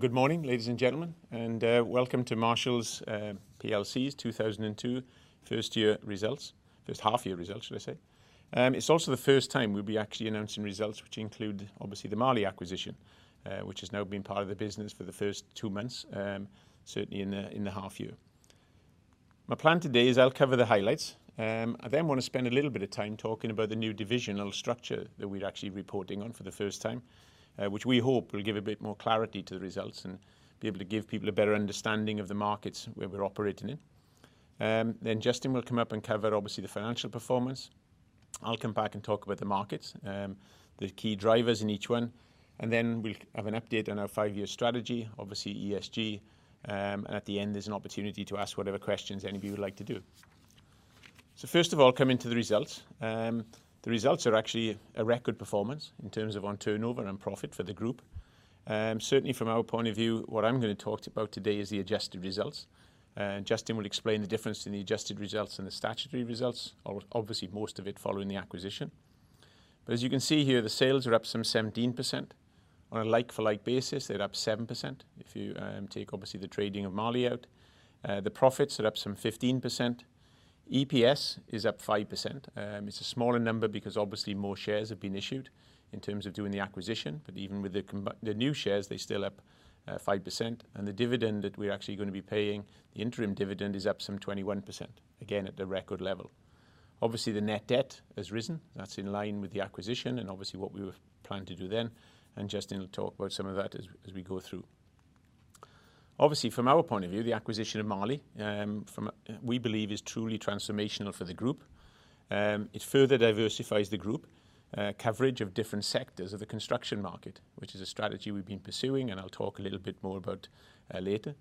Good morning, ladies and gentlemen, and, welcome to Marshalls plc's 2022 first half year results. First half year results, should I say. It's also the first time we'll be actually announcing results which include, obviously, the Marley acquisition, which has now been part of the business for the first two months, certainly in the half year. My plan today is I'll cover the highlights. I then wanna spend a little bit of time talking about the new divisional structure that we're actually reporting on for the first time, which we hope will give a bit more clarity to the results and be able to give people a better understanding of the markets where we're operating in. Justin will come up and cover obviously the financial performance. I'll come back and talk about the markets, the key drivers in each one, and then we'll have an update on our five-year strategy, obviously ESG, and at the end, there's an opportunity to ask whatever questions any of you would like to do. First of all, coming to the results. The results are actually a record performance in terms of on turnover and profit for the group. Certainly from our point of view, what I'm gonna talk about today is the adjusted results. Justin will explain the difference in the adjusted results and the statutory results, obviously most of it following the acquisition. As you can see here, the sales are up some 17%. On a like-for-like basis, they're up 7%, if you take obviously the trading of Marley out. The profits are up some 15%. EPS is up 5%. It's a smaller number because obviously more shares have been issued in terms of doing the acquisition, but even with the new shares, they're still up 5%. The dividend that we're actually gonna be paying, the interim dividend is up some 21%, again, at the record level. Obviously, the net debt has risen. That's in line with the acquisition and obviously what we were planning to do then, and Justin will talk about some of that as we go through. Obviously, from our point of view, the acquisition of Marley we believe is truly transformational for the group. It further diversifies the group coverage of different sectors of the construction market, which is a strategy we've been pursuing, and I'll talk a little bit more about later.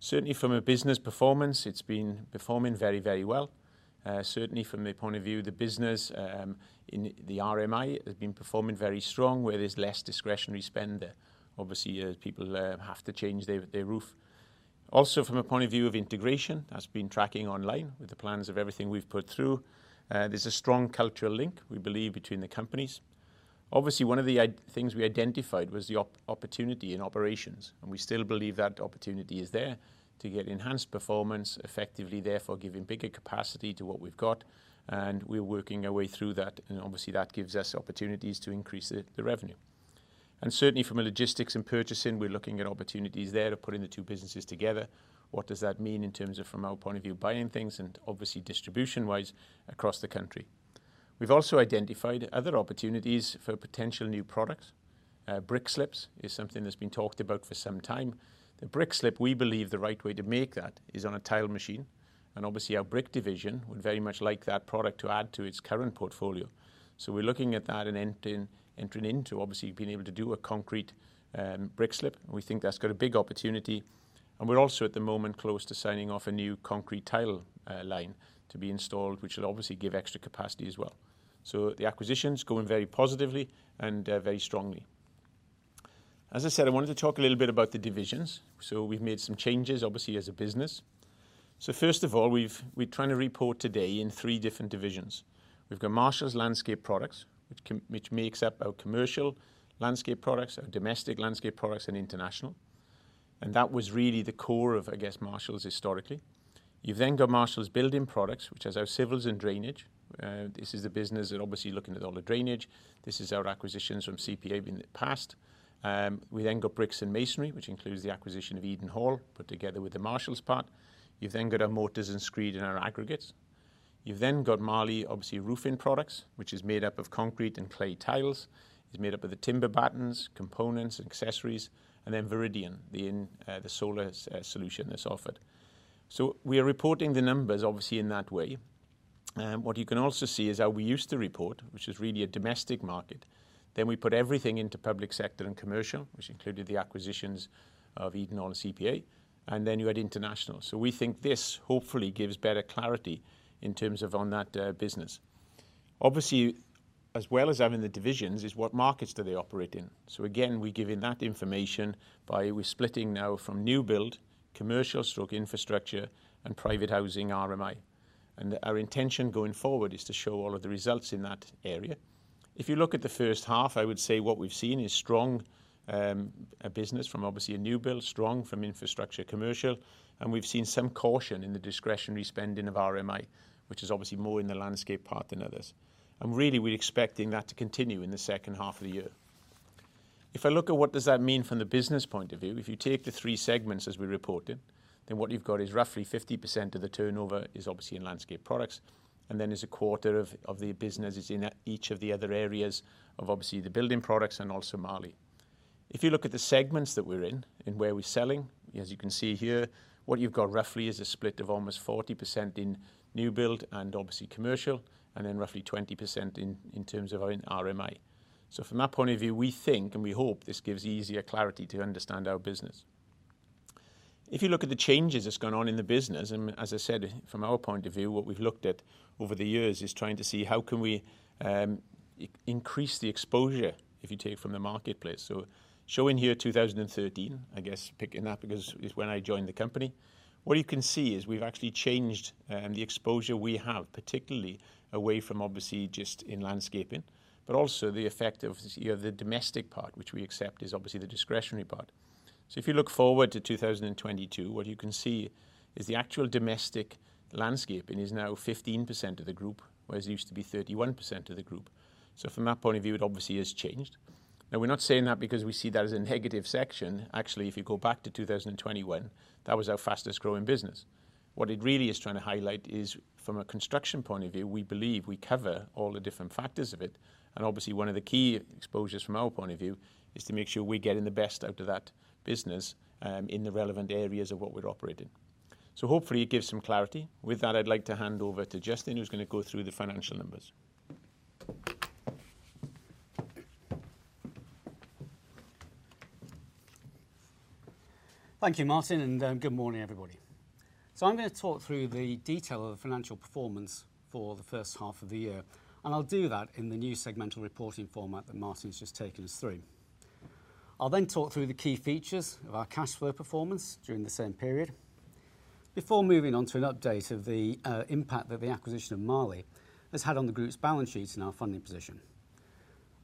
Certainly from a business performance, it's been performing very, very well. Certainly from the point of view of the business, in the RMI, it has been performing very strong where there's less discretionary spend there. Obviously, people have to change their roof. Also, from a point of view of integration, that's been tracking on line with the plans of everything we've put through. There's a strong cultural link, we believe, between the companies. Obviously, one of the things we identified was the opportunity in operations, and we still believe that opportunity is there to get enhanced performance effectively, therefore giving bigger capacity to what we've got, and we're working our way through that, and obviously that gives us opportunities to increase the revenue. Certainly from a logistics and purchasing, we're looking at opportunities there to putting the two businesses together. What does that mean in terms of, from our point of view, buying things and obviously distribution-wise across the country? We've also identified other opportunities for potential new products. Brick slips is something that's been talked about for some time. The brick slip, we believe the right way to make that is on a tile machine, and obviously our brick division would very much like that product to add to its current portfolio. We're looking at that and entering into obviously being able to do a concrete brick slip. We think that's got a big opportunity. We're also at the moment close to signing off a new concrete tile line to be installed, which will obviously give extra capacity as well. The acquisition's going very positively and very strongly. As I said, I wanted to talk a little bit about the divisions. We've made some changes, obviously, as a business. First of all, we're trying to report today in three different divisions. We've got Marshalls Landscape Products, which makes up our commercial landscape products, our domestic landscape products, and international. That was really the core of, I guess, Marshalls historically. You've then got Marshalls Building Products, which has our civils and drainage. This is the business that obviously looking at all the drainage. This is our acquisitions from CPM in the past. We've then got Bricks and Masonry, which includes the acquisition of Edenhall, put together with the Marshalls part. You've then got our Mortars and Screed and our Aggregates. You've then got Marley Roofing Products, which is made up of concrete and clay tiles. It's made up of the timber battens, components, accessories, and then Viridian, the solar solution that's offered. We are reporting the numbers obviously in that way. What you can also see is how we used to report, which is really a domestic market. We put everything into public sector and commercial, which included the acquisitions of Edenhall and CPM, and then you add international. We think this hopefully gives better clarity in terms of on that business. Obviously, as well as having the divisions is what markets do they operate in. Again, we're giving that information by we're splitting now from new build, commercial/infrastructure, and private housing RMI. Our intention going forward is to show all of the results in that area. If you look at the first half, I would say what we've seen is strong business from obviously a new build, strong from infrastructure commercial, and we've seen some caution in the discretionary spending of RMI, which is obviously more in the landscape part than others. Really, we're expecting that to continue in the second half of the year. If I look at what does that mean from the business point of view, if you take the three segments as we reported, then what you've got is roughly 50% of the turnover is obviously in landscape products, and then there's a quarter of the business is in each of the other areas of obviously the building products and also Marley. If you look at the segments that we're in and where we're selling, as you can see here, what you've got roughly is a split of almost 40% in new build and obviously commercial, and then roughly 20% in terms of our RMI. From that point of view, we think and we hope this gives easier clarity to understand our business. If you look at the changes that's gone on in the business, and as I said, from our point of view, what we've looked at over the years is trying to see how can we increase the exposure if you take from the marketplace. Showing here 2013, I guess picking that because it's when I joined the company, what you can see is we've actually changed the exposure we have, particularly away from obviously just in landscaping, but also the effect of you know, the domestic part, which we accept is obviously the discretionary part. If you look forward to 2022, what you can see is the actual domestic landscaping is now 15% of the group, whereas it used to be 31% of the group. From that point of view, it obviously has changed. Now we're not saying that because we see that as a negative section. Actually, if you go back to 2021, that was our fastest-growing business. What it really is trying to highlight is from a construction point of view, we believe we cover all the different factors of it, and obviously one of the key exposures from our point of view is to make sure we're getting the best out of that business, in the relevant areas of what we operate in. Hopefully it gives some clarity. With that, I'd like to hand over to Justin, who's going to go through the financial numbers. Thank you, Martyn, and good morning, everybody. I'm going to talk through the detail of the financial performance for the first half of the year, and I'll do that in the new segmental reporting format that Martyn's just taken us through. I'll then talk through the key features of our cash flow performance during the same period before moving on to an update of the impact that the acquisition of Marley has had on the group's balance sheet and our funding position.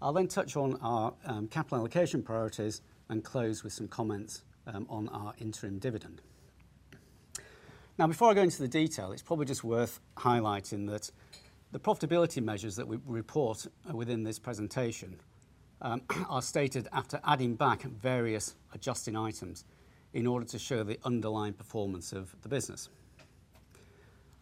I'll then touch on our capital allocation priorities and close with some comments on our interim dividend. Now before I go into the detail, it's probably just worth highlighting that the profitability measures that we report within this presentation are stated after adding back various adjusting items in order to show the underlying performance of the business.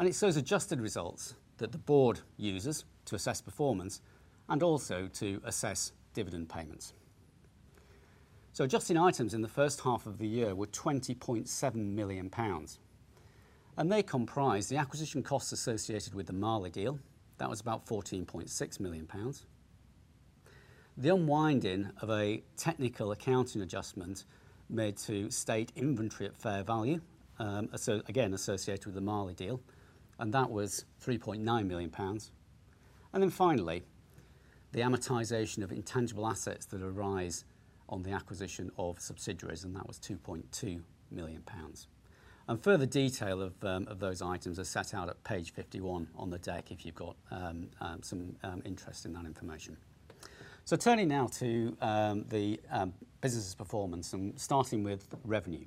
It's those adjusted results that the board uses to assess performance and also to assess dividend payments. Adjusting items in the first half of the year were 20.7 million pounds, and they comprise the acquisition costs associated with the Marley deal. That was about 14.6 million pounds. The unwinding of a technical accounting adjustment made to state inventory at fair value. Again, associated with the Marley deal, and that was 3.9 million pounds. And then finally, the amortization of intangible assets that arise on the acquisition of subsidiaries, and that was 2.2 million pounds. And further detail of those items are set out at page 51 on the deck if you've got some interest in that information. Turning now to the business's performance and starting with revenue.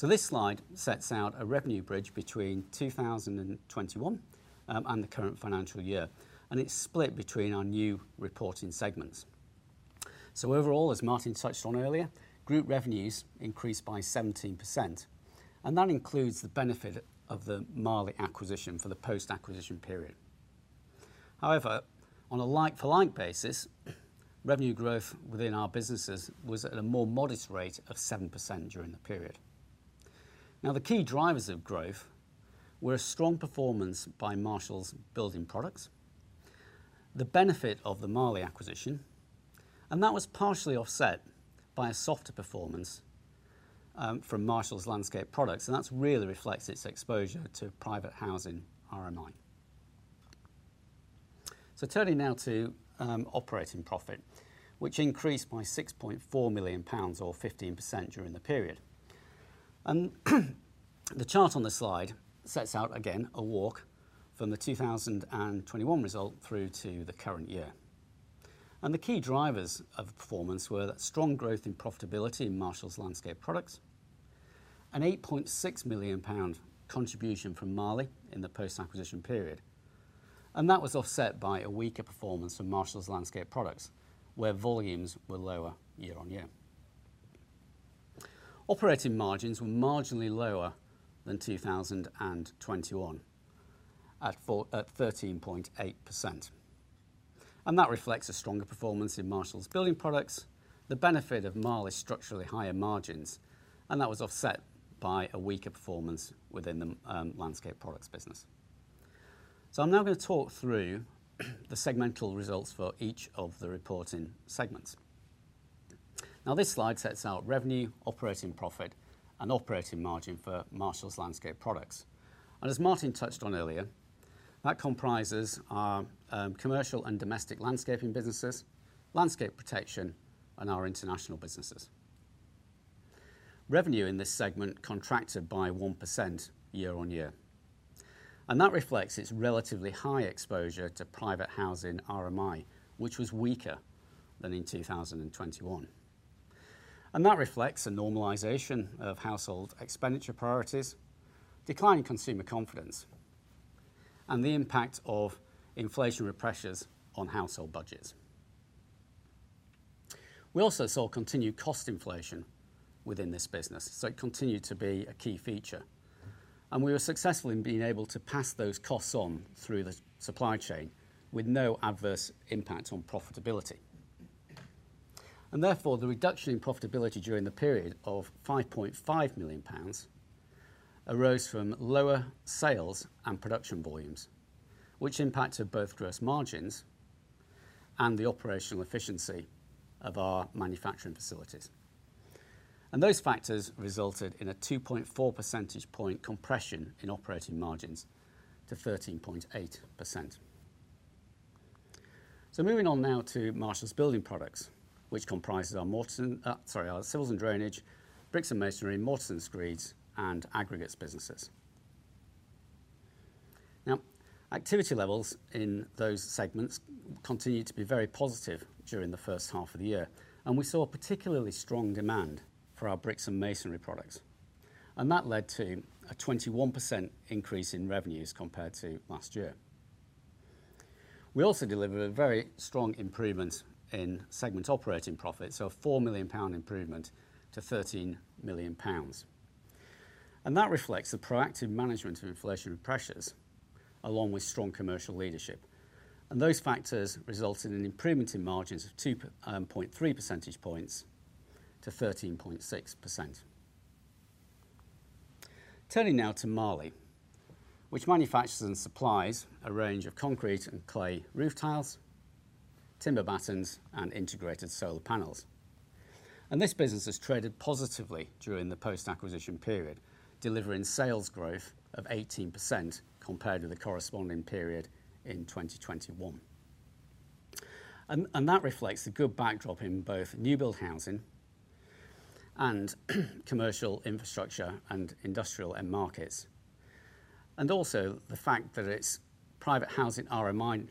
This slide sets out a revenue bridge between 2021 and the current financial year, and it's split between our new reporting segments. Overall, as Martyn touched on earlier, group revenues increased by 17%, and that includes the benefit of the Marley acquisition for the post-acquisition period. However, on a like-for-like basis, revenue growth within our businesses was at a more modest rate of 7% during the period. Now, the key drivers of growth were a strong performance by Marshalls Building Products, the benefit of the Marley acquisition, and that was partially offset by a softer performance from Marshalls Landscape Products, and that really reflects its exposure to private housing RMI. Turning now to operating profit, which increased by 6.4 million pounds or 15% during the period. The chart on this slide sets out again a walk from the 2021 result through to the current year. The key drivers of performance were that strong growth in profitability in Marshalls Landscape Products, a 8.6 million pound contribution from Marley in the post-acquisition period. That was offset by a weaker performance from Marshalls Landscape Products, where volumes were lower year-on-year. Operating margins were marginally lower than 2021 at 13.8%, and that reflects a stronger performance in Marshalls Building Products, the benefit of Marley's structurally higher margins, and that was offset by a weaker performance within the Landscape Products business. I'm now going to talk through the segmental results for each of the reporting segments. Now this slide sets out revenue, operating profit, and operating margin for Marshalls Landscape Products. As Martin touched on earlier, that comprises our commercial and domestic landscaping businesses, landscape protection, and our international businesses. Revenue in this segment contracted by 1% year-on-year, and that reflects its relatively high exposure to private housing RMI, which was weaker than in 2021. That reflects a normalization of household expenditure priorities, decline in consumer confidence, and the impact of inflationary pressures on household budgets. We also saw continued cost inflation within this business, so it continued to be a key feature. We were successful in being able to pass those costs on through the supply chain with no adverse impact on profitability. Therefore, the reduction in profitability during the period of 5.5 million pounds arose from lower sales and production volumes, which impacted both gross margins and the operational efficiency of our manufacturing facilities. Those factors resulted in a 2.4 percentage point compression in operating margins to 13.8%. Moving on now to Marshalls Building Products, which comprises our Mortars and, our civils and drainage, bricks and masonry, Mortars and screeds, and aggregates businesses. Now, activity levels in those segments continued to be very positive during the first half of the year, and we saw a particularly strong demand for our bricks and masonry products. That led to a 21% increase in revenues compared to last year. We also delivered a very strong improvement in segment operating profit, so a 4 million pound improvement to 13 million pounds. That reflects the proactive management of inflationary pressures along with strong commercial leadership. Those factors resulted in an improvement in margins of 2.3 percentage points to 13.6%. Turning now to Marley, which manufactures and supplies a range of concrete and clay roof tiles, timber battens, and integrated solar panels. This business has traded positively during the post-acquisition period, delivering sales growth of 18% compared to the corresponding period in 2021. That reflects the good backdrop in both new build housing and commercial infrastructure and industrial end markets. The fact that its private housing RMI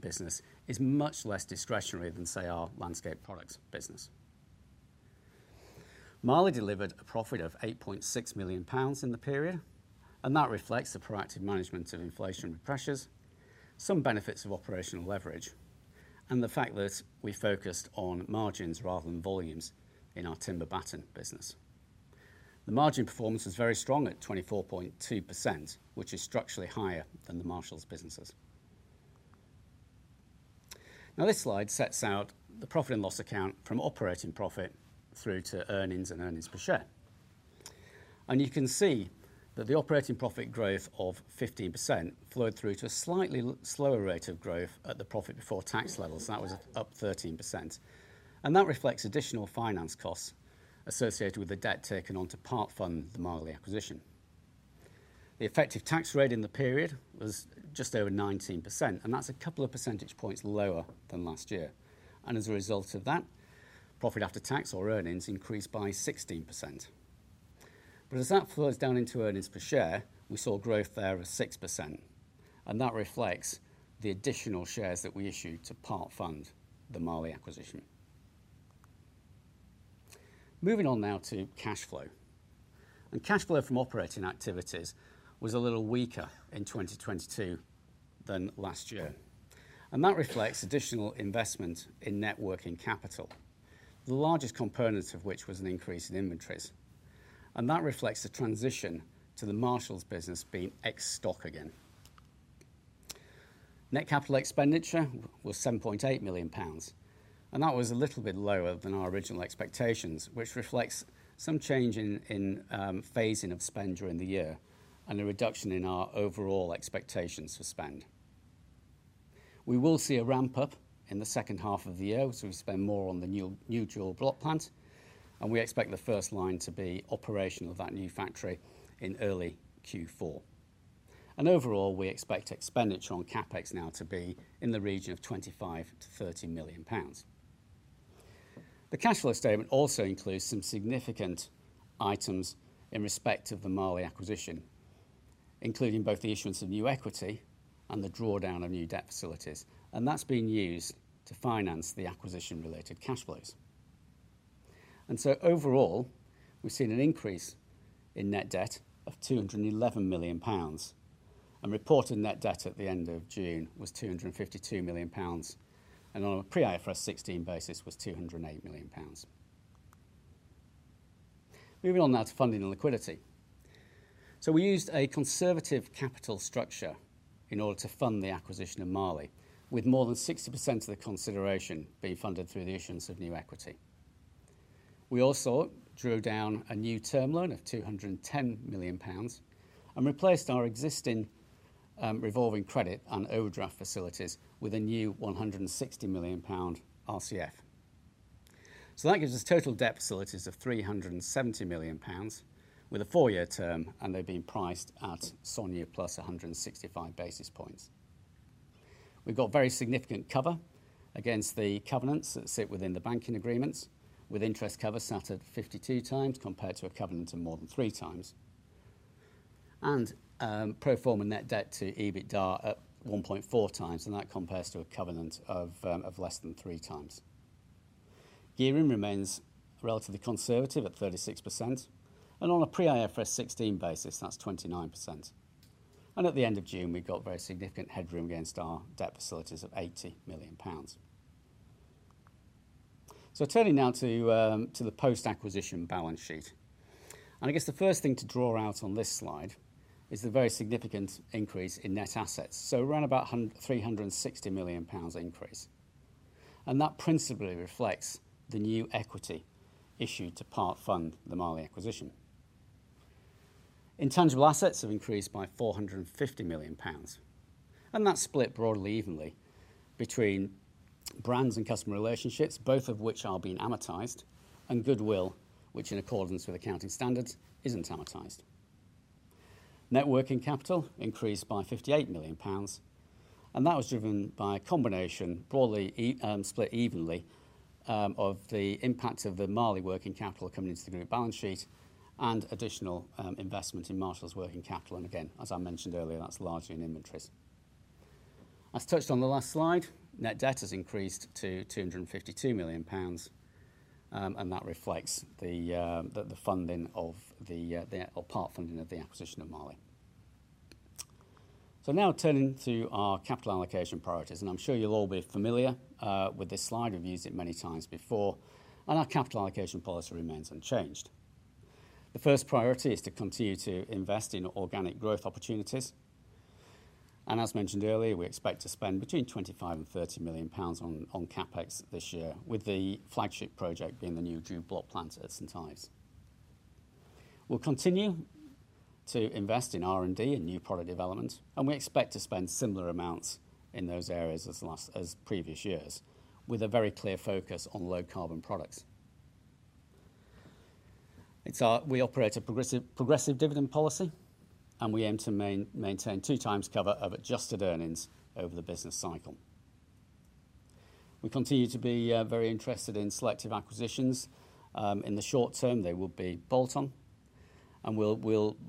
business is much less discretionary than, say, our landscape products business. Marley delivered a profit of 8.6 million pounds in the period, and that reflects the proactive management of inflationary pressures, some benefits of operational leverage, and the fact that we focused on margins rather than volumes in our timber batten business. The margin performance was very strong at 24.2%, which is structurally higher than the Marshalls businesses. Now, this slide sets out the profit and loss account from operating profit through to earnings and earnings per share. You can see that the operating profit growth of 15% flowed through to a slightly slower rate of growth at the profit before tax levels. That was up 13%. That reflects additional finance costs associated with the debt taken on to part fund the Marley acquisition. The effective tax rate in the period was just over 19%, and that's a couple of percentage points lower than last year. As a result of that, profit after tax or earnings increased by 16%. As that flows down into earnings per share, we saw growth there of 6%, and that reflects the additional shares that we issued to part fund the Marley acquisition. Moving on now to cash flow. Cash flow from operating activities was a little weaker in 2022 than last year, and that reflects additional investment in net working capital, the largest component of which was an increase in inventories. That reflects the transition to the Marshalls business being ex-stock again. Net capital expenditure was 7.8 million pounds, and that was a little bit lower than our original expectations, which reflects some change in phasing of spend during the year and a reduction in our overall expectations for spend. We will see a ramp up in the second half of the year as we spend more on the new Dual Block plant, and we expect the first line to be operational of that new factory in early Q4. Overall, we expect expenditure on CapEx now to be in the region of 25 million-30 million pounds. The cash flow statement also includes some significant items in respect of the Marley acquisition, including both the issuance of new equity and the drawdown of new debt facilities. That's being used to finance the acquisition-related cash flows. Overall, we've seen an increase in net debt of 211 million pounds. Reported net debt at the end of June was 252 million pounds, and on a pre IFRS 16 basis was 208 million pounds. Moving on now to funding and liquidity. We used a conservative capital structure in order to fund the acquisition of Marley, with more than 60% of the consideration being funded through the issuance of new equity. We also drew down a new term loan of 210 million pounds and replaced our existing revolving credit and overdraft facilities with a new 160 million pound RCF. That gives us total debt facilities of 370 million pounds with a four-year term, and they're being priced at SONIA plus 165 basis points. We've got very significant cover against the covenants that sit within the banking agreements, with interest cover sat at 52 times compared to a covenant of more than 3 times. Pro forma net debt to EBITDA at 1.4x, and that compares to a covenant of less than 3 times. Gearing remains relatively conservative at 36%, and on a pre IFRS 16 basis, that's 29%. At the end of June, we've got very significant headroom against our debt facilities of 80 million pounds. Turning now to the post-acquisition balance sheet. I guess the first thing to draw out on this slide is the very significant increase in net assets. Around about 360 million pounds increase. That principally reflects the new equity issued to part fund the Marley acquisition. Intangible assets have increased by 450 million pounds, and that's split broadly evenly between brands and customer relationships, both of which are being amortized, and goodwill, which in accordance with accounting standards isn't amortized. Net working capital increased by 58 million pounds. That was driven by a combination, broadly split evenly, of the impact of the Marley working capital coming into the group balance sheet and additional investment in Marley's working capital. Again, as I mentioned earlier, that's largely in inventories. As touched on the last slide, net debt has increased to 252 million pounds, and that reflects the funding, or part funding, of the acquisition of Marley. Now turning to our capital allocation priorities, and I'm sure you'll all be familiar with this slide. We've used it many times before, and our capital allocation policy remains unchanged. The first priority is to continue to invest in organic growth opportunities, and as mentioned earlier, we expect to spend between 25 million and 30 million pounds on CapEx this year, with the flagship project being the new Dual Block plant at St. Ives. We'll continue to invest in R&D and new product development, and we expect to spend similar amounts in those areas as previous years with a very clear focus on low carbon products. We operate a progressive dividend policy, and we aim to maintain 2x cover of adjusted earnings over the business cycle. We continue to be very interested in selective acquisitions. In the short term, they will be bolt-on, and we'll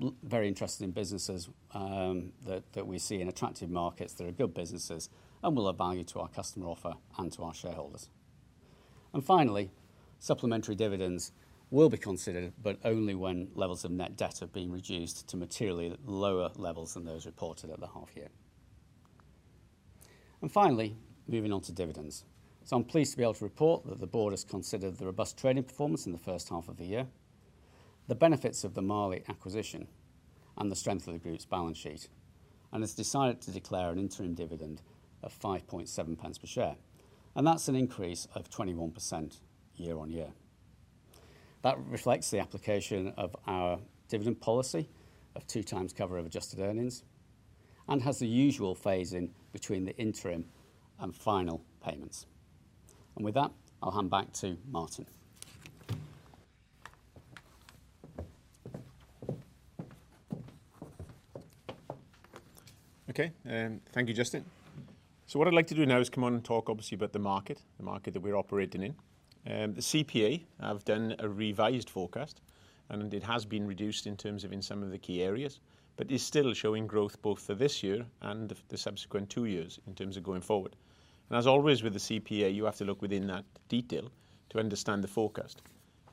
be very interested in businesses that we see in attractive markets that are good businesses and will add value to our customer offer and to our shareholders. Finally, supplementary dividends will be considered, but only when levels of net debt have been reduced to materially lower levels than those reported at the half year. Finally, moving on to dividends. I'm pleased to be able to report that the board has considered the robust trading performance in the first half of the year, the benefits of the Marley acquisition and the strength of the group's balance sheet, and has decided to declare an interim dividend of 0.057 pounds per share, and that's an increase of 21% year-on-year. That reflects the application of our dividend policy of 2x cover of adjusted earnings and has the usual phase in between the interim and final payments. With that, I'll hand back to Martyn. Okay. Thank you, Justin. What I'd like to do now is come on and talk obviously about the market, the market that we're operating in. The CPA have done a revised forecast, and it has been reduced in terms of in some of the key areas, but is still showing growth both for this year and the subsequent two years in terms of going forward. As always, with the CPA, you have to look within that detail to understand the forecast.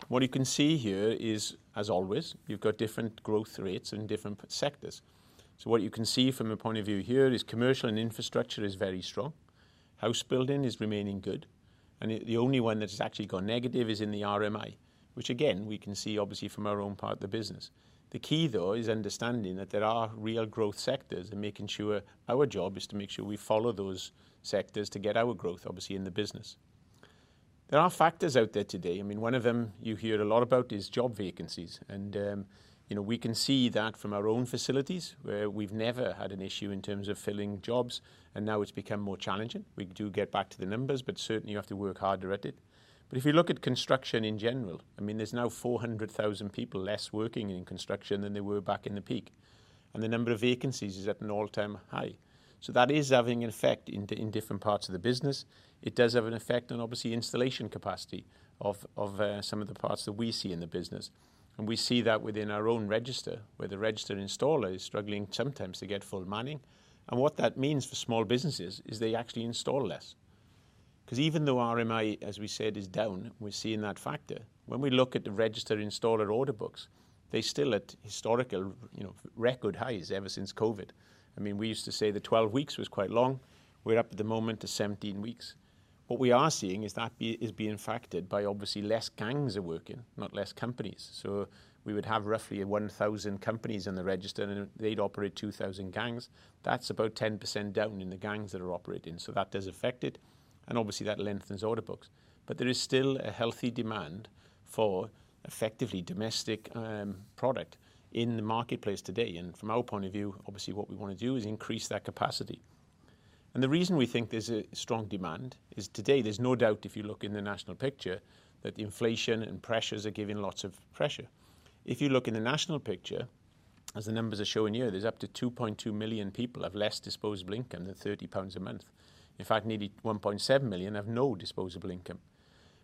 What you can see here is, as always, you've got different growth rates in different sectors. What you can see from a point of view here is commercial and infrastructure is very strong. House building is remaining good, and the only one that has actually gone negative is in the RMI, which again, we can see obviously from our own part of the business. The key, though, is understanding that there are real growth sectors and making sure our job is to make sure we follow those sectors to get our growth, obviously, in the business. There are factors out there today. I mean, one of them you hear a lot about is job vacancies. You know, we can see that from our own facilities, where we've never had an issue in terms of filling jobs, and now it's become more challenging. We do get back to the numbers, but certainly you have to work harder at it. If you look at construction in general, I mean, there's now 400,000 people less working in construction than there were back in the peak, and the number of vacancies is at an all-time high. That is having an effect in different parts of the business. It does have an effect on, obviously, installation capacity of some of the parts that we see in the business. We see that within our own register, where the registered installer is struggling sometimes to get full manning. What that means for small businesses is they actually install less. 'Cause even though RMI, as we said, is down, we're seeing that factor. When we look at the registered installer order books, they're still at historical, you know, record highs ever since COVID. I mean, we used to say that 12 weeks was quite long. We're up at the moment to 17 weeks. What we are seeing is that is being factored by obviously less gangs are working, not less companies. We would have roughly 1,000 companies on the register, and they'd operate 2,000 gangs. That's about 10% down in the gangs that are operating. That has affected and obviously that lengthens order books. There is still a healthy demand for effectively domestic product in the marketplace today. From our point of view, obviously what we wanna do is increase that capacity. The reason we think there's a strong demand is today there's no doubt, if you look in the national picture, that the inflation and pressures are giving lots of pressure. If you look in the national picture, as the numbers are showing here, there's up to 2.2 million people have less disposable income than 30 pounds a month. In fact, nearly 1.7 million have no disposable income.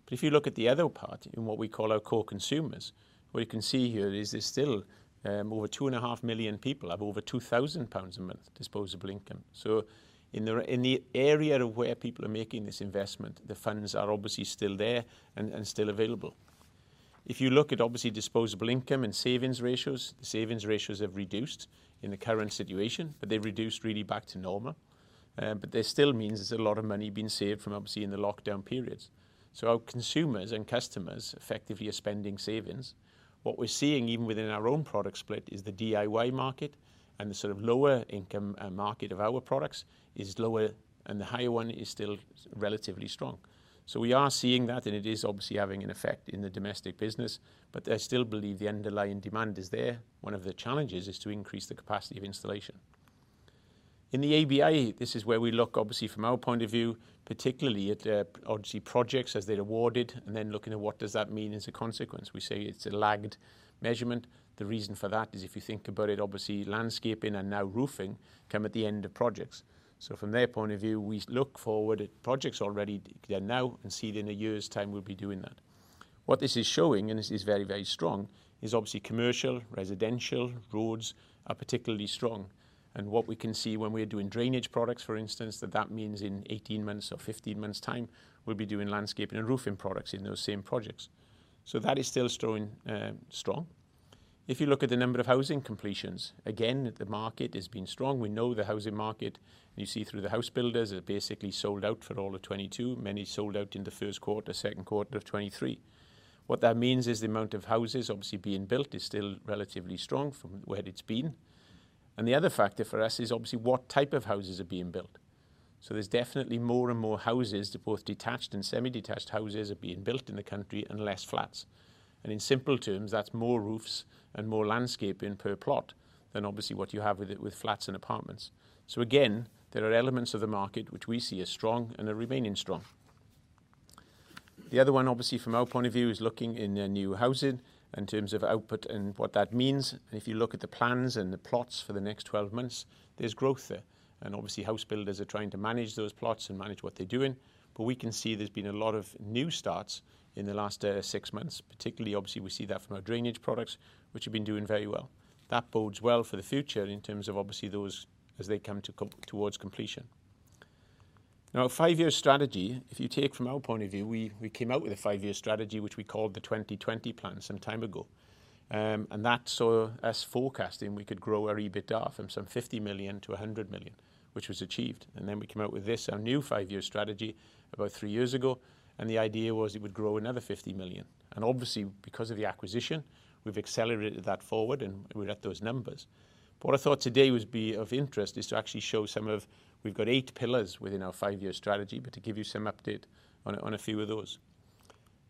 If you look at the other part, in what we call our core consumers, what you can see here is there's still over 2.5 million people have over 2,000 pounds a month disposable income. In the area where people are making this investment, the funds are obviously still there and still available. If you look at obviously disposable income and savings ratios, the savings ratios have reduced in the current situation, but they've reduced really back to normal. There still means there's a lot of money being saved from obviously in the lockdown periods. Our consumers and customers effectively are spending savings. What we're seeing even within our own product split is the DIY market and the sort of lower income market of our products is lower, and the higher one is still relatively strong. We are seeing that, and it is obviously having an effect in the domestic business, but I still believe the underlying demand is there. One of the challenges is to increase the capacity of installation. In the ABI, this is where we look obviously from our point of view, particularly at, obviously projects as they're awarded and then looking at what does that mean as a consequence. We say it's a lagged measurement. The reason for that is if you think about it, obviously, landscaping and now roofing come at the end of projects. From their point of view, we look forward to projects already there now and see that in a year's time we'll be doing that. What this is showing, and this is very, very strong, is obviously commercial, residential, roads are particularly strong. What we can see when we're doing drainage products, for instance, that that means in 18 months or 15 months' time, we'll be doing landscaping and roofing products in those same projects. That is still strong. If you look at the number of housing completions, again, the market has been strong. We know the housing market, and you see through the house builders, are basically sold out for all of 2022. Many sold out in the first quarter, second quarter of 2023. What that means is the amount of houses obviously being built is still relatively strong from where it's been. The other factor for us is obviously what type of houses are being built. There's definitely more and more houses, the both detached and semi-detached houses, are being built in the country and less flats. In simple terms, that's more roofs and more landscaping per plot than obviously what you have with flats and apartments. Again, there are elements of the market which we see as strong and are remaining strong. The other one, obviously from our point of view, is looking in the new housing in terms of output and what that means. If you look at the plans and the plots for the next 12 months, there's growth there. Obviously, house builders are trying to manage those plots and manage what they're doing. We can see there's been a lot of new starts in the last six months, particularly obviously we see that from our drainage products, which have been doing very well. That bodes well for the future in terms of obviously those as they come to completion. Now, five-year strategy, if you take from our point of view, we came out with a five-year strategy, which we called the 2020 Plan some time ago. That saw us forecasting we could grow our EBITDA from some 50 million to 100 million, which was achieved. We came out with this, our new five-year strategy about three years ago, and the idea was it would grow another 50 million. Obviously because of the acquisition, we've accelerated that forward and we're at those numbers. What I thought today would be of interest is to actually show some of. We've got eight pillars within our five-year strategy, to give you some update on a few of those.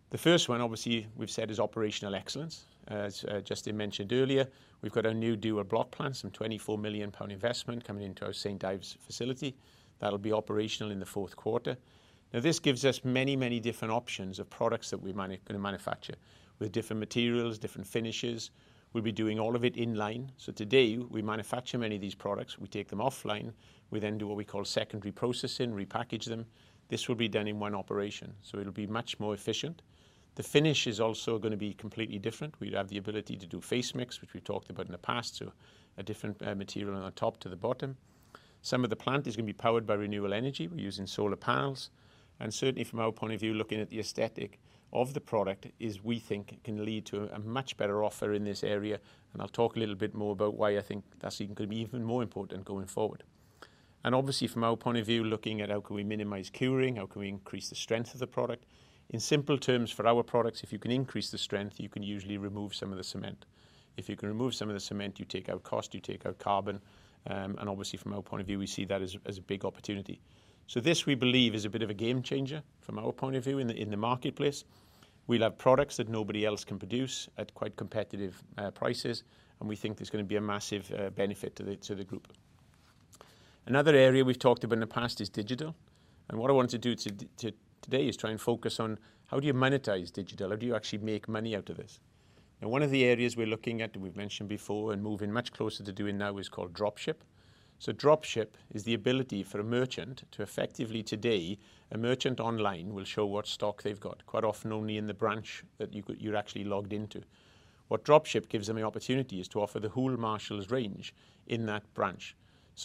The first one, obviously, we've said is operational excellence. As Justin mentioned earlier, we've got a new dual block plant, some 24 million pound investment coming into our St. Ives facility. That'll be operational in the fourth quarter. Now, this gives us many different options of products that we manufacture with different materials, different finishes. We'll be doing all of it in-line. Today we manufacture many of these products. We take them offline. We then do what we call secondary processing, repackage them. This will be done in one operation, so it'll be much more efficient. The finish is also gonna be completely different. We'd have the ability to do face mix, which we talked about in the past, so a different material on the top to the bottom. Some of the plant is gonna be powered by renewable energy. We're using solar panels. Certainly from our point of view, looking at the aesthetic of the product is we think can lead to a much better offer in this area, and I'll talk a little bit more about why I think that's even gonna be even more important going forward. Obviously from our point of view, looking at how can we minimize curing, how can we increase the strength of the product. In simple terms for our products, if you can increase the strength, you can usually remove some of the cement. If you can remove some of the cement, you take out cost, you take out carbon, and obviously from our point of view, we see that as a big opportunity. This, we believe, is a bit of a game changer from our point of view in the marketplace. We'll have products that nobody else can produce at quite competitive prices, and we think there's gonna be a massive benefit to the group. Another area we've talked about in the past is digital. What I wanted to do today is try and focus on how do you monetize digital? How do you actually make money out of it? Now, one of the areas we're looking at, we've mentioned before and moving much closer to doing now is called Drop Ship. Drop Ship is the ability for a merchant to effectively today. A merchant online will show what stock they've got, quite often only in the branch that you're actually logged into. What Drop Ship gives them the opportunity is to offer the whole Marshalls range in that branch.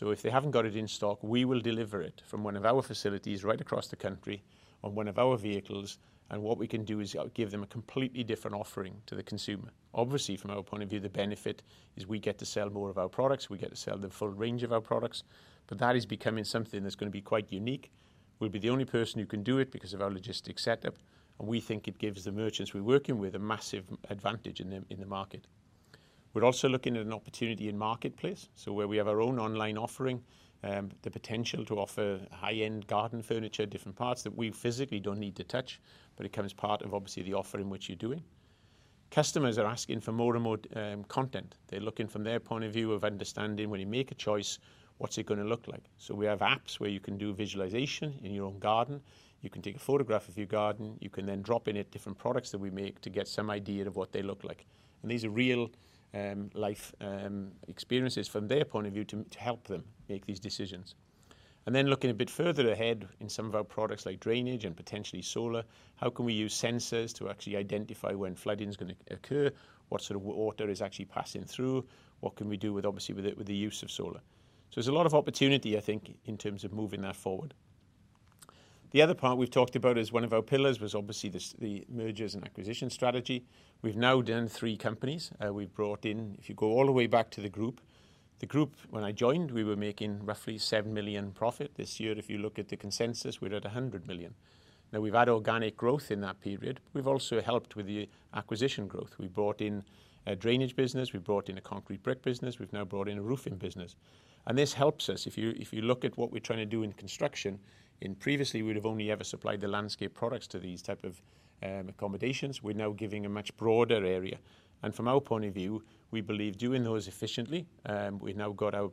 If they haven't got it in stock, we will deliver it from one of our facilities right across the country on one of our vehicles, and what we can do is give them a completely different offering to the consumer. Obviously, from our point of view, the benefit is we get to sell more of our products, we get to sell the full range of our products, but that is becoming something that's gonna be quite unique. We'll be the only person who can do it because of our logistics setup, and we think it gives the merchants we're working with a massive advantage in the market. We're also looking at an opportunity in marketplace, so where we have our own online offering, the potential to offer high-end garden furniture, different parts that we physically don't need to touch, but it comes part of obviously the offering which you're doing. Customers are asking for more and more content. They're looking from their point of view of understanding when you make a choice, what's it gonna look like? We have apps where you can do visualization in your own garden. You can take a photograph of your garden. You can then drop in it different products that we make to get some idea of what they look like. These are real life experiences from their point of view to help them make these decisions. Then looking a bit further ahead in some of our products like drainage and potentially solar, how can we use sensors to actually identify when flooding is gonna occur? What sort of water is actually passing through? What can we do with obviously with the use of solar? There's a lot of opportunity, I think, in terms of moving that forward. The other part we've talked about is one of our pillars was obviously the mergers and acquisition strategy. We've now done 3 companies. We've brought in, if you go all the way back to the group, the group when I joined, we were making roughly 7 million profit. This year if you look at the consensus, we're at 100 million. Now we've had organic growth in that period. We've also helped with the acquisition growth. We brought in a drainage business. We brought in a concrete brick business. We've now brought in a roofing business. This helps us. If you look at what we're trying to do in construction, in previously, we'd have only ever supplied the landscape products to these type of, accommodations. We're now giving a much broader area. From our point of view we believe doing those efficiently, we now got our,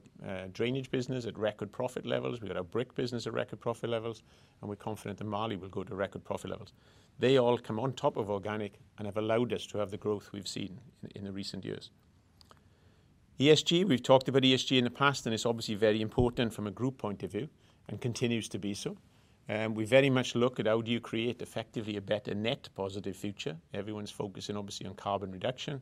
drainage business at record profit levels. We got our brick business at record profit levels, and we're confident that Marley will go to record profit levels. They all come on top of organic and have allowed us to have the growth we've seen in the recent years. ESG, we've talked about ESG in the past, and it's obviously very important from a group point of view and continues to be so. We very much look at how do you create effectively a better net positive future. Everyone's focusing obviously on carbon reduction.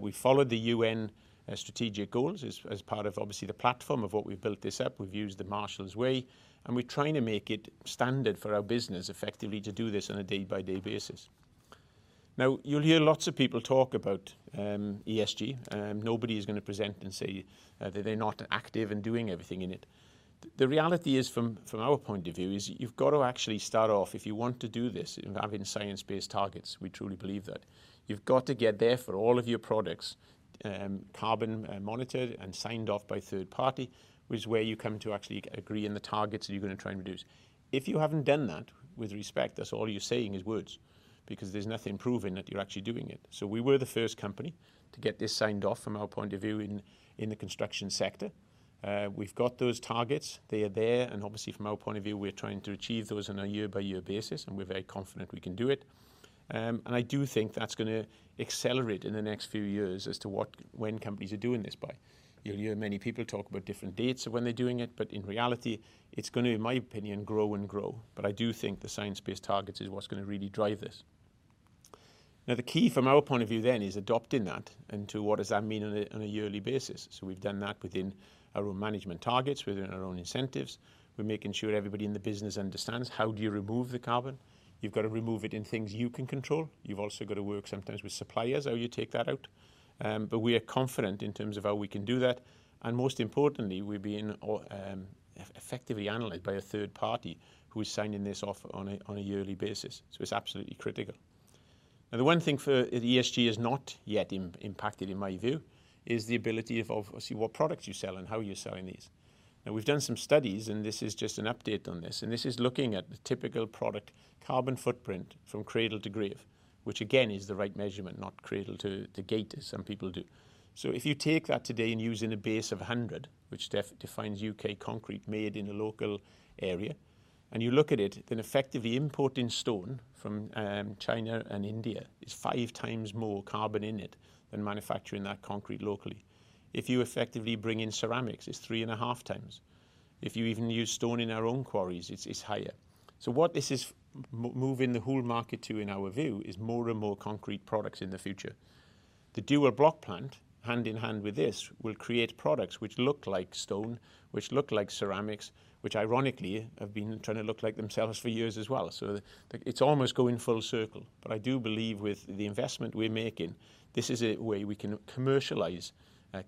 We followed the UN strategic goals as part of obviously the platform of what we've built this up. We've used the Marshalls Way, and we're trying to make it standard for our business effectively to do this on a day-by-day basis. Now, you'll hear lots of people talk about ESG. Nobody is gonna present and say that they're not active in doing everything in it. The reality is from our point of view is you've got to actually start off, if you want to do this, having science-based targets, we truly believe that. You've got to get there for all of your products, carbon monitored and signed off by third party, which is where you come to actually agree on the targets that you're gonna try and reduce. If you haven't done that with respect, that's all you're saying is words because there's nothing proving that you're actually doing it. We were the first company to get this signed off from our point of view in the construction sector. We've got those targets. They are there, and obviously from our point of view, we're trying to achieve those on a year-by-year basis, and we're very confident we can do it. I do think that's gonna accelerate in the next few years as to when companies are doing this by. You'll hear many people talk about different dates of when they're doing it, but in reality, it's gonna, in my opinion, grow and grow. I do think the Science Based Targets is what's gonna really drive this. Now, the key from our point of view then is adopting that into what does that mean on a yearly basis. We've done that within our own management targets, within our own incentives. We're making sure everybody in the business understands how do you remove the carbon. You've got to remove it in things you can control. You've also got to work sometimes with suppliers, how you take that out. We are confident in terms of how we can do that. Most importantly, we're being effectively analyzed by a third party who is signing this off on a yearly basis. It's absolutely critical. Now, the one thing for the ESG has not yet impacted in my view, is the ability to see what products you sell and how you're selling these. Now, we've done some studies, and this is just an update on this. This is looking at the typical product carbon footprint from cradle to grave, which again, is the right measurement, not cradle to gate as some people do. If you take that today and using a base of 100, which defines U.K. concrete made in a local area, and you look at it, then effectively importing stone from China and India is 5 times more carbon in it than manufacturing that concrete locally. If you effectively bring in ceramics, it's 3.5 times. If you even use stone in our own quarries, it's higher. What this is moving the whole market to, in our view, is more and more concrete products in the future. The Dual Block plant, hand in hand with this, will create products which look like stone, which look like ceramics, which ironically, have been trying to look like themselves for years as well. It's almost going full circle. I do believe with the investment we're making, this is a way we can commercialize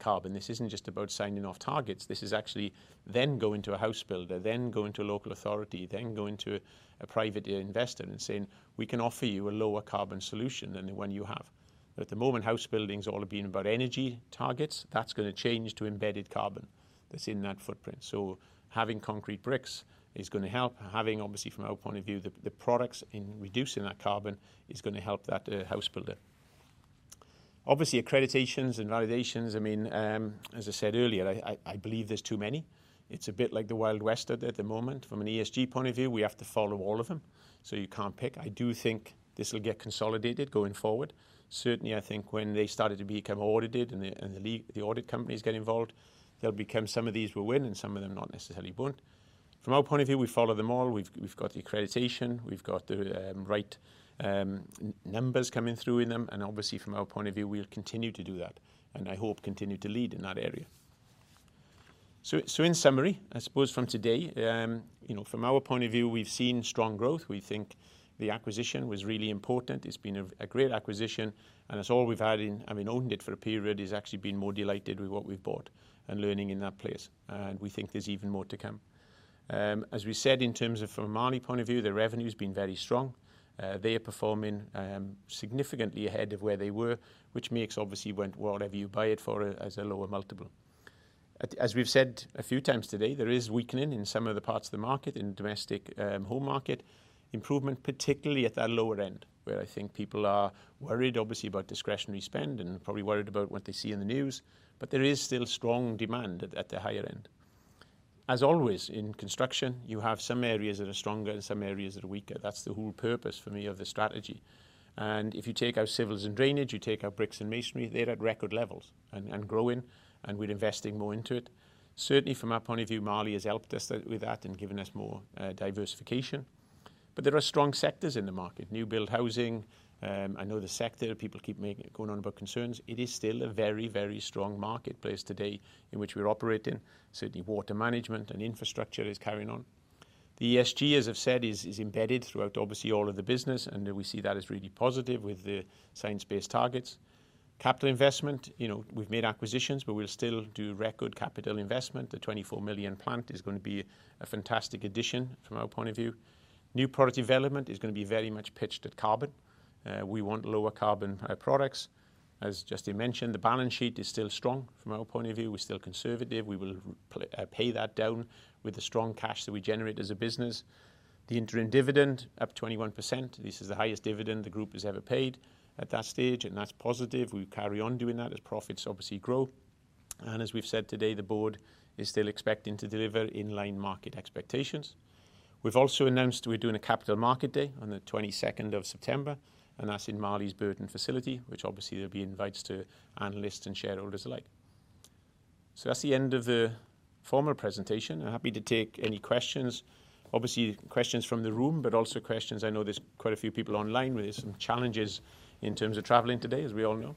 carbon. This isn't just about signing off targets. This is actually then going to a house builder, then going to a local authority, then going to a private investor and saying, "We can offer you a lower carbon solution than the one you have." At the moment, house building is all being about energy targets. That's gonna change to embedded carbon that's in that footprint. Having concrete bricks is gonna help. Obviously, from our point of view, the products in reducing that carbon is gonna help that house builder. Obviously, accreditations and validations, I mean, as I said earlier, I believe there's too many. It's a bit like the Wild West at the moment. From an ESG point of view, we have to follow all of them, so you can't pick. I do think this will get consolidated going forward. Certainly, I think when they started to become audited and the audit companies get involved, some of these will win and some of them not necessarily won't. From our point of view, we follow them all. We've got the accreditation. We've got the right numbers coming through in them. Obviously, from our point of view, we'll continue to do that, and I hope continue to lead in that area. In summary, I suppose from today, you know, from our point of view, we've seen strong growth. We think the acquisition was really important. It's been a great acquisition, and as all we've had in, I mean, owning it for a period, is actually been more delighted with what we've bought and learning in that place. We think there's even more to come. As we said, in terms of from a Marley point of view, the revenue's been very strong. They are performing significantly ahead of where they were, which makes obviously whatever you buy it for as a lower multiple. As we've said a few times today, there is weakening in some of the parts of the market, in domestic, home market. Improvement, particularly at that lower end, where I think people are worried obviously about discretionary spend and probably worried about what they see in the news. There is still strong demand at the higher end. As always in construction, you have some areas that are stronger and some areas that are weaker. That's the whole purpose for me of the strategy. If you take our civils and drainage, you take our bricks and masonry, they're at record levels and growing, and we're investing more into it. Certainly, from our point of view, Marley has helped us with that and given us more diversification. There are strong sectors in the market. New build housing, I know the sector, people keep banging on about concerns. It is still a very, very strong marketplace today in which we're operating. Certainly, water management and infrastructure is carrying on. The ESG, as I've said, is embedded throughout obviously all of the business, and we see that as really positive with the science-based targets. Capital investment, you know, we've made acquisitions, but we'll still do record capital investment. The 24 million plant is going to be a fantastic addition from our point of view. New product development is gonna be very much pitched at carbon. We want lower carbon products. As Justin mentioned, the balance sheet is still strong from our point of view. We're still conservative. We will pay that down with the strong cash that we generate as a business. The interim dividend up 21%. This is the highest dividend the group has ever paid at that stage, and that's positive. We carry on doing that as profits obviously grow. As we've said today, the board is still expecting to deliver in line with market expectations. We've also announced we're doing a Capital Markets Day on the September 22nd, and that's in Marley's Burton facility, which obviously there'll be invites to analysts and shareholders alike. That's the end of the formal presentation. I'm happy to take any questions. Obviously, questions from the room, but also questions, I know there's quite a few people online with some challenges in terms of traveling today, as we all know.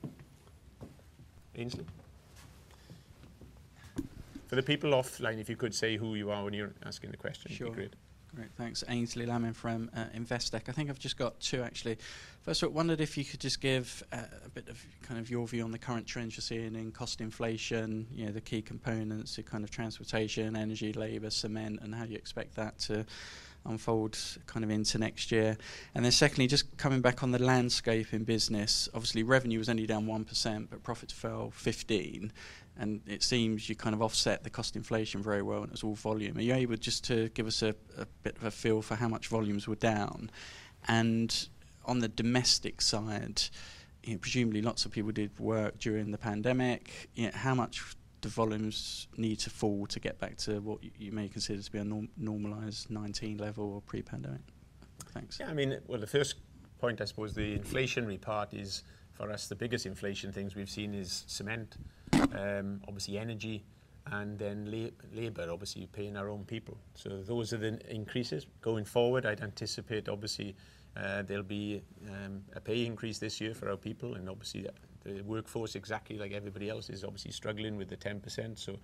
Aynsley. For the people offline, if you could say who you are when you're asking the question, that'd be great. Sure. Great. Thanks. Aynsley Lammin from Investec. I think I've just got two, actually. First, I wondered if you could just give a bit of kind of your view on the current trends you're seeing in cost inflation, you know, the key components, the kind of transportation, energy, labor, cement, and how do you expect that to unfold kind of into next year? Then secondly, just coming back on the landscaping business, obviously, revenue was only down 1%, but profits fell 15%. It seems you kind of offset the cost inflation very well, and it's all volume. Are you able just to give us a bit of a feel for how much volumes were down? On the domestic side, you know, presumably lots of people did work during the pandemic. You know, how much do volumes need to fall to get back to what you may consider to be a normalized 2019 level or pre-pandemic? Thanks. Yeah, I mean, well, the first point, I suppose the inflationary part is for us, the biggest inflation things we've seen is cement, obviously energy and then labor, obviously paying our own people. Those are the increases. Going forward, I'd anticipate, obviously, there'll be a pay increase this year for our people and obviously the workforce exactly like everybody else is obviously struggling with the 10%.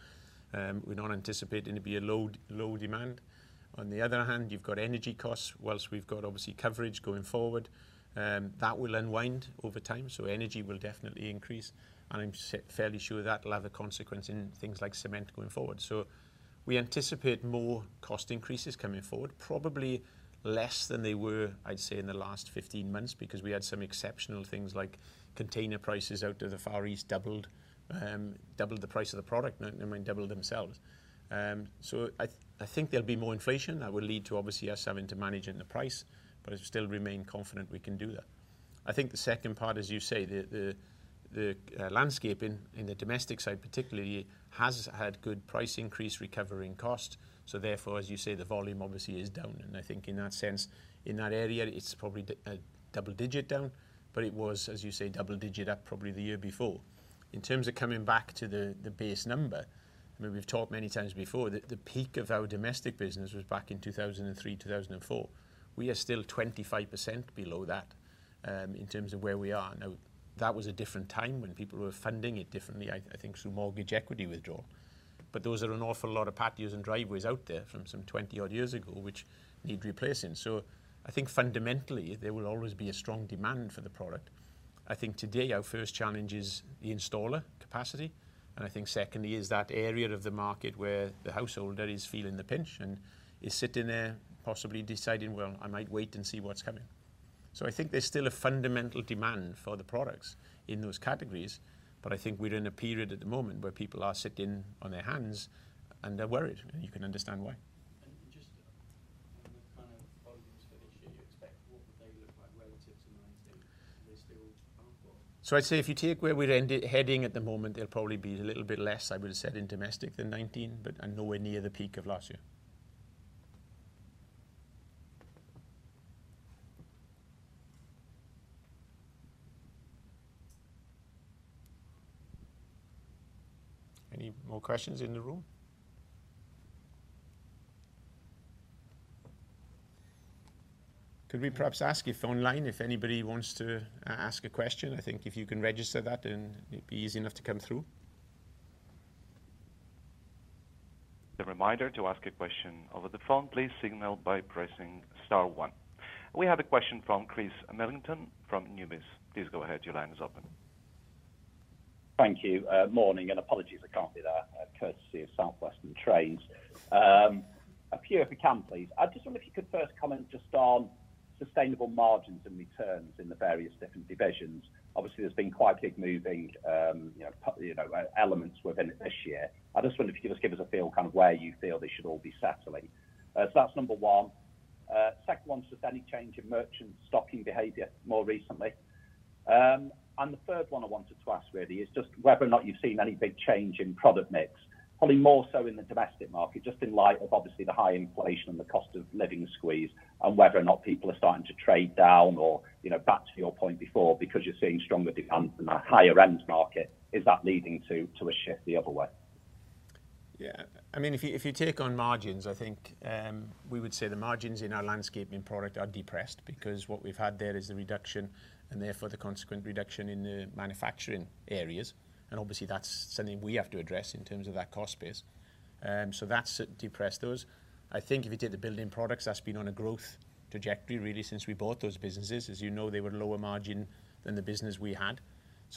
We're not anticipating it to be a low demand. On the other hand, you've got energy costs. While we've got obviously coverage going forward, that will unwind over time. Energy will definitely increase. I'm fairly sure that will have a consequence in things like cement going forward. We anticipate more cost increases coming forward, probably less than they were, I'd say, in the last 15 months because we had some exceptional things like container prices out of the Far East doubled themselves. I think there'll be more inflation that will lead to obviously us having to manage the price, but I still remain confident we can do that. I think the second part, as you say, the landscaping in the domestic side particularly has had good price increase recovering cost. Therefore, as you say, the volume obviously is down. I think in that sense, in that area, it's probably a double-digit down, but it was, as you say, double-digit up probably the year before. In terms of coming back to the base number, I mean, we've talked many times before, the peak of our domestic business was back in 2003, 2004. We are still 25% below that, in terms of where we are. Now, that was a different time when people were funding it differently, I think through mortgage equity withdrawal. Those are an awful lot of patios and driveways out there from some 20-odd years ago, which need replacing. I think fundamentally, there will always be a strong demand for the product. I think today our first challenge is the installer capacity. I think secondly is that area of the market where the householder is feeling the pinch and is sitting there possibly deciding, "Well, I might wait and see what's coming." I think there's still a fundamental demand for the products in those categories, but I think we're in a period at the moment where people are sitting on their hands and they're worried, and you can understand why. Just kind of volumes for this year, you expect what would they look like relative to 2019? Are they still down or? I'd say if you take where we're heading at the moment, they'll probably be a little bit less, I would have said, in domestic than 19, but, and nowhere near the peak of last year. Any more questions in the room? Could we perhaps ask if online, if anybody wants to ask a question? I think if you can register that then it'd be easy enough to come through. A reminder to ask a question over the phone, please signal by pressing star one. We have a question from Chris Millington from Numis. Please go ahead. Your line is open. Thank you. Morning, and apologies I can't be there, courtesy of South Western Railway. A few if I can, please. I just wonder if you could first comment just on sustainable margins and returns in the various different divisions? Obviously, there's been quite big moving, you know, elements within it this year. I just wonder if you could just give us a feel kind of where you feel this should all be settling? That's number one. Second one, has there been any change in merchant stocking behavior more recently? The third one I wanted to ask really is just whether or not you've seen any big change in product mix, probably more so in the domestic market, just in light of obviously the high inflation and the cost of living squeeze, and whether or not people are starting to trade down or, you know, back to your point before, because you're seeing stronger demand from a higher end market, is that leading to a shift the other way? Yeah. I mean, if you take on margins, I think we would say the margins in our landscaping products are depressed because what we've had there is the reduction and therefore the consequent reduction in the manufacturing areas. Obviously that's something we have to address in terms of that cost base. That's suppressed those. I think if you take the building products, that's been on a growth trajectory really since we bought those businesses. As you know, they were lower margin than the business we had.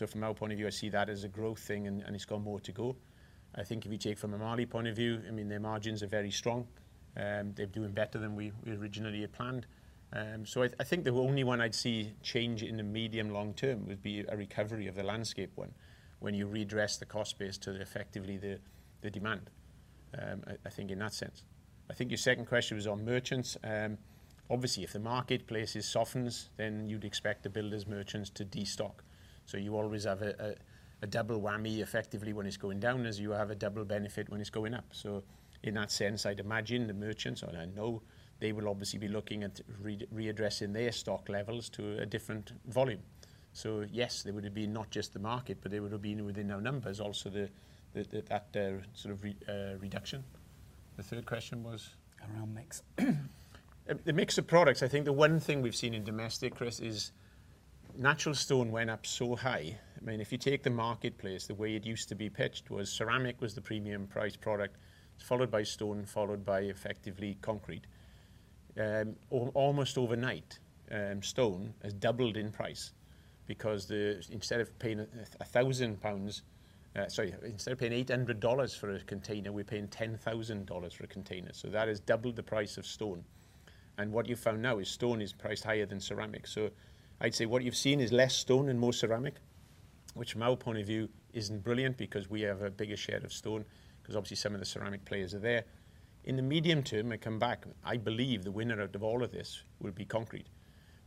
From our point of view, I see that as a growth thing and it's got more to go. I think if you take from a Marley point of view, I mean, their margins are very strong. They're doing better than we originally had planned. I think the only one I'd see change in the medium long term would be a recovery of the landscape one, when you readdress the cost base to effectively the demand. I think in that sense. I think your second question was on merchants. Obviously, if the marketplace softens, then you'd expect the builders merchants to destock. You always have a double whammy effectively when it's going down, as you have a double benefit when it's going up. In that sense, I'd imagine the merchants, or I know they will obviously be looking at readdressing their stock levels to a different volume. Yes, they would have been not just the market, but they would have been within our numbers also that sort of reduction. The third question was? Face mix. The mix of products, I think the one thing we've seen in domestic, Chris, is natural stone went up so high. I mean, if you take the marketplace, the way it used to be pitched was ceramic was the premium priced product, followed by stone, followed by effectively concrete. Almost overnight, stone has doubled in price because, instead of paying 1,000 pounds, sorry, instead of paying $800 for a container, we're paying $10,000 for a container. So that has doubled the price of stone. What you found now is stone is priced higher than ceramic. So I'd say what you've seen is less stone and more ceramic, which from our point of view isn't brilliant because we have a bigger share of stone, 'cause obviously some of the ceramic players are there. In the medium term and come back, I believe the winner out of all of this will be concrete.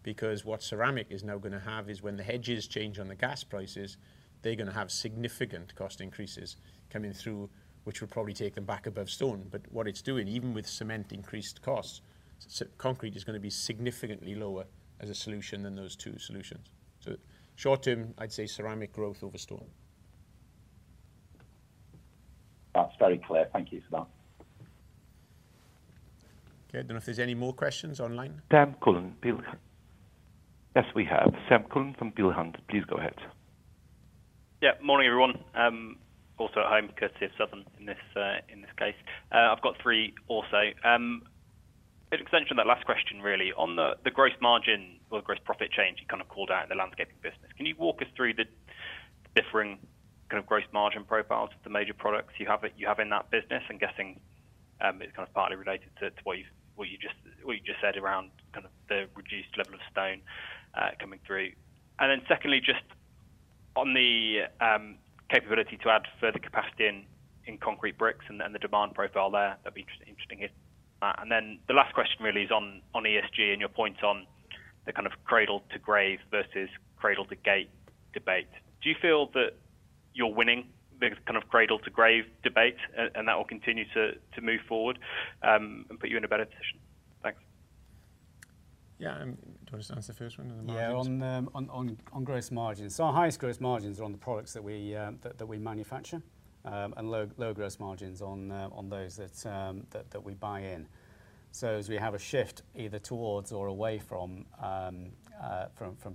Because what ceramic is now gonna have is when the hedges change on the gas prices, they're gonna have significant cost increases coming through, which will probably take them back above stone. But what it's doing, even with cement increased costs, concrete is gonna be significantly lower as a solution than those two solutions. Short term, I'd say ceramic growth over stone. That's very clear. Thank you for that. Okay. I don't know if there's any more questions online. Sam Cullen. Yes, we have Sam Cullen from Peel Hunt. Please go ahead. Yeah. Morning, everyone. Also at home, courtesy of Southern in this case. I've got three also. An extension on that last question, really, on the gross margin or gross profit change you kind of called out in the landscaping business. Can you walk us through the differing kind of gross margin profiles of the major products you have in that business? I'm guessing, it's kind of partly related to what you just said around kind of the reduced level of stone coming through? Secondly, just on the capability to add further capacity in concrete bricks and the demand profile there, that'd be interesting hear. The last question really is on ESG and your points on the kind of cradle-to-grave versus cradle-to-gate debate. Do you feel that you're winning the kind of cradle-to-grave debate and that will continue to move forward and put you in a better position? Thanks. Yeah. Do you want to just answer the first one on the margins? On the gross margins. Our highest gross margins are on the products that we manufacture, and low gross margins on those that we buy in. As we have a shift either towards or away from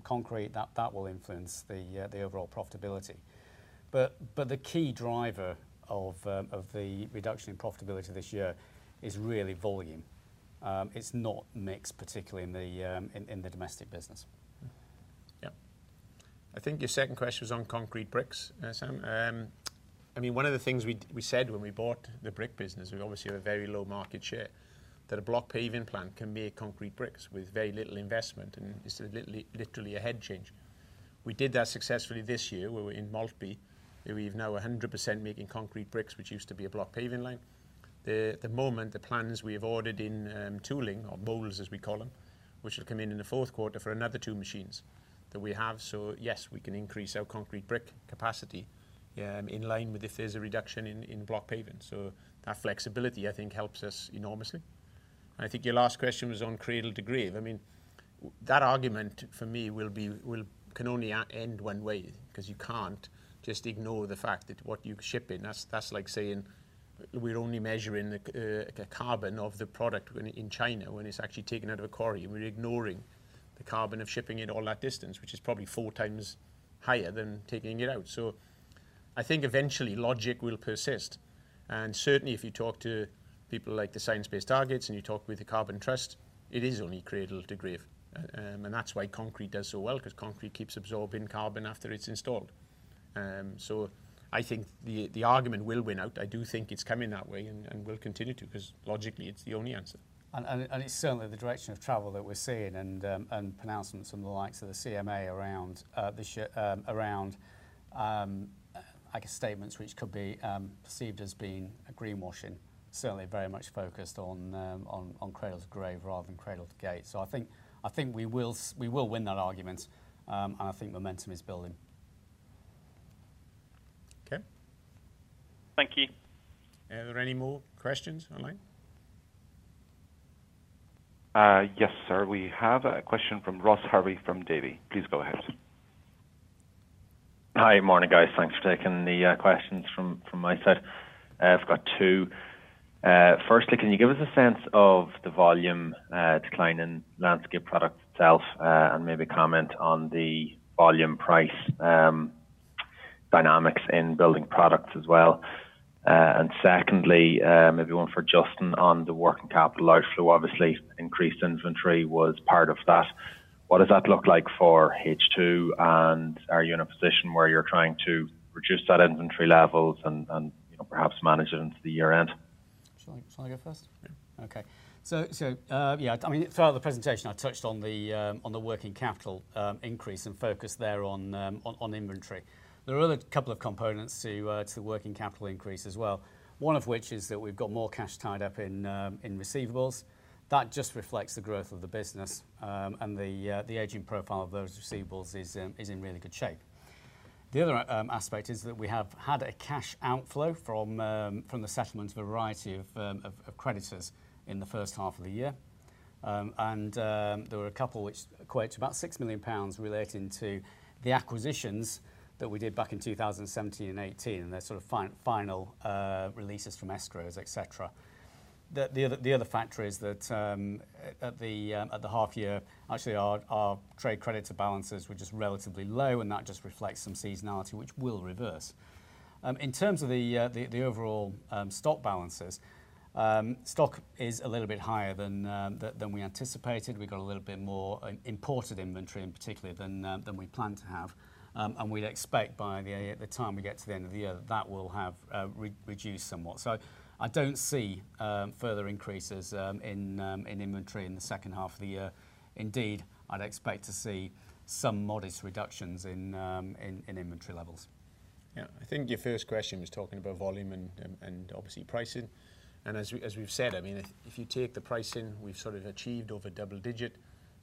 concrete, that will influence the overall profitability. The key driver of the reduction in profitability this year is really volume. It's not mix, particularly in the domestic business. Yeah. I think your second question was on concrete bricks, Sam. I mean, one of the things we said when we bought the brick business, we obviously have a very low market share, that a block paving plant can make concrete bricks with very little investment, and it's literally a head change. We did that successfully this year. We were in Maltby, where we have now 100% making concrete bricks, which used to be a block paving line. We have ordered in tooling or molds, as we call them, which will come in in the fourth quarter for another two machines that we have. Yes, we can increase our concrete brick capacity in line with if there's a reduction in block paving. That flexibility, I think helps us enormously. I think your last question was on cradle to grave. I mean, that argument for me will be, can only end one way, 'cause you can't just ignore the fact that what you're shipping. That's like saying we're only measuring like the carbon of the product when in China, when it's actually taken out of a quarry, and we're ignoring the carbon of shipping it all that distance, which is probably four times higher than taking it out. I think eventually logic will persist, and certainly if you talk to people like the Science Based Targets and you talk with the Carbon Trust, it is only cradle to grave. I think the argument will win out. I do think it's coming that way and will continue to, 'cause logically it's the only answer. It's certainly the direction of travel that we're seeing and pronouncements from the likes of the CMA around, I guess statements which could be perceived as being greenwashing. Certainly very much focused on cradle to grave rather than cradle to gate. I think we will win that argument. I think momentum is building. Okay. Thank you. Are there any more questions online? Yes, sir. We have a question from Ross Harvey from Davy. Please go ahead. Hi. Morning, guys. Thanks for taking the questions from my side. I've got two. Firstly, can you give us a sense of the volume decline in landscape product itself, and maybe comment on the volume price dynamics in building products as well? And secondly, maybe one for Justin on the working capital outflow. Obviously, increased inventory was part of that. What does that look like for H2, and are you in a position where you're trying to reduce that inventory levels and, you know, perhaps manage it into the year end? Shall I go first? Yeah. I mean, throughout the presentation, I touched on the working capital increase and focus there on inventory. There are a couple of other components to the working capital increase as well. One of which is that we've got more cash tied up in receivables. That just reflects the growth of the business. The aging profile of those receivables is in really good shape. The other aspect is that we have had a cash outflow from the settlement of a variety of creditors in the first half of the year. There were a couple which equate to about 6 million pounds relating to the acquisitions that we did back in 2017 and 2018, and they're sort of final releases from escrows, et cetera. The other factor is that, at the half year, actually our trade creditor balances were just relatively low, and that just reflects some seasonality, which will reverse. In terms of the overall stock balances, stock is a little bit higher than we anticipated. We got a little bit more imported inventory in particular than we planned to have. We'd expect by the time we get to the end of the year that that will have reduced somewhat. I don't see further increases in inventory in the second half of the year. Indeed, I'd expect to see some modest reductions in inventory levels. Yeah. I think your first question was talking about volume and obviously pricing. As we've said, I mean if you take the pricing, we've sort of achieved over double digit.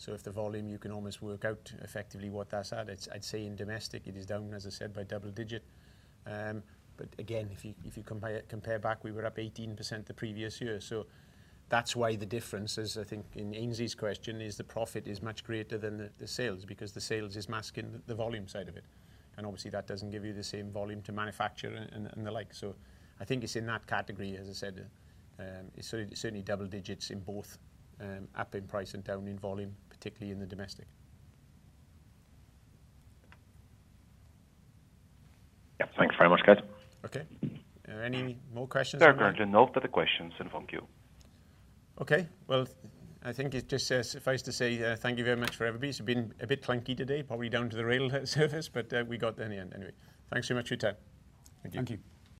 If the volume, you can almost work out effectively what that's at. It's. I'd say in domestic it is down, as I said, by double digit. Again, if you compare back, we were up 18% the previous year. That's why the difference is I think in Aynsley's question is the profit is much greater than the sales, because the sales is masking the volume side of it. Obviously that doesn't give you the same volume to manufacture and the like. I think it's in that category, as I said, it's certainly double digits in both, up in price and down in volume, particularly in the domestic. Yeah. Thanks very much, guys. Okay. Are there any more questions online? Very good. No further questions in the phone queue. Okay. Well, I think it just suffice to say thank you very much for everybody. It's been a bit clunky today, probably down to the rail service, but we got there in the end anyway. Thanks so much for your time. Thank you.